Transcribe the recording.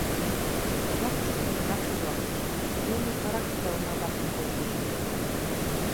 Оза куштылгынрак шӱлалтыш: Юмо утларак тыгай уна-влакым колтыжо ыле.